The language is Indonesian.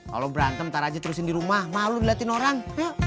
kalau berantem ntar aja terusin di rumah malu ngeliatin orang